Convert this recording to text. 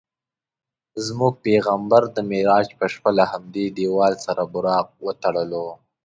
زموږ پیغمبر د معراج په شپه له همدې دیوال سره براق وتړلو.